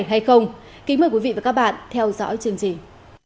kính mời quý vị và các bạn theo dõi chương trình